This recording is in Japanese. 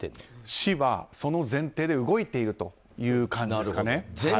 市は、その前提で動いているという感じですかね。